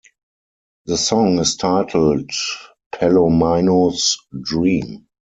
The song is titled "Palomino's Dream".